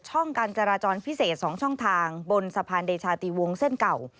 การจราจรพิเศษ๒ช่องทางบนสะพานเดชาติวงเส้นเก่า